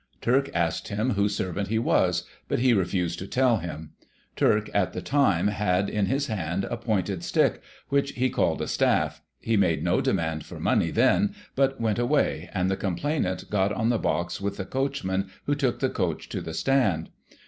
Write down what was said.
Turk asked him whose servant he was, but he refused to tell him. Turk, at the time, had, in his hand, a pointed stick, which he called Digiti ized by Google i840] NOBLEMEN'S SERVANTS. 127 a staff ; he made no demand for money then, but went away, and the complainant got on the box with the coachman, who took the coach to the stand.